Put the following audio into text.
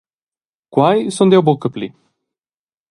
Quei sun jeu buca pli.